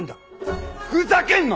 ふざけんな！